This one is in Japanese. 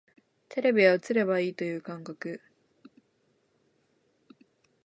テレビは映ればいいという感覚